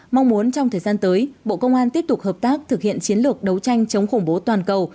mong muốn trong thời gian tới bộ công an tiếp tục hợp tác thực hiện chiến lược đấu tranh chống khủng bố toàn cầu